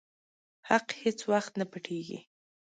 حق هيڅ وخت نه پټيږي.